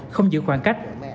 không giữ khoảng cách